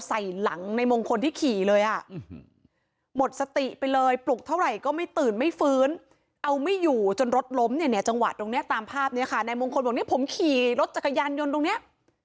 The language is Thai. ตรงนี้ตามภาพเนี้ยค่ะในมุมคนบอกเนี้ยผมขี่รถจักรยานยนต์ตรงเนี้ย